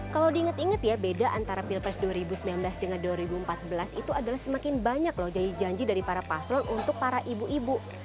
kalau diinget inget ya beda antara pilpres dua ribu sembilan belas dengan dua ribu empat belas itu adalah semakin banyak loh janji janji dari para paslon untuk para ibu ibu